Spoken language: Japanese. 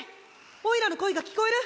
おいらの声が聞こえる？